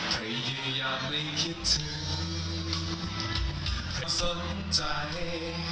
พยายามไม่คิดถึงพยายามสนใจ